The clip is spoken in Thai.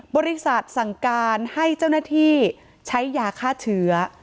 บริษัทสั่งการให้เจ้าหน้าที่ใช้ยาฆ่าเชื้อ